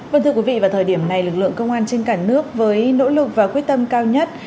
vâng thưa quý vị vào thời điểm này lực lượng công an trên cả nước với nỗ lực và quyết tâm cao nhất